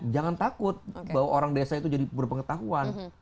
jangan takut bahwa orang desa itu jadi berpengetahuan